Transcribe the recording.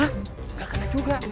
nggak kena juga